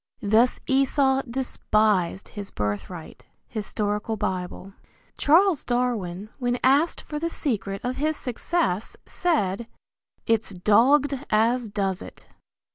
Thus Esau despised his birthright. Hist. Bible. Charles Darwin when asked for the secret of his success said, "It's dogged as does it."